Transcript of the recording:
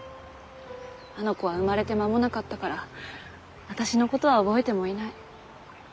あの子は生まれて間もなかったから私のことは覚えてもいない。